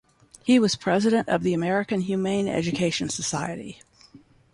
He was President of the American Humane Education Society.